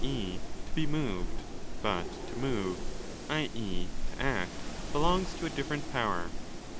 e. to be moved: but to move, i.e. to act, belongs to a different 'power'.